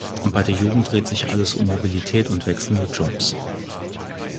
Bei der Jugend dreht sich alles um Mobilität und wechselnde Jobs.